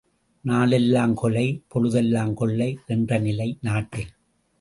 நாளெல்லாம் கொலை, பொழுதெல்லாம் கொள்ளை என்ற நிலை நாட்டில்!